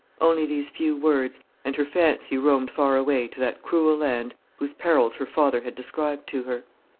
Only these few words, and her fancy roamed far away to that cruel land whose perils her father had described to her.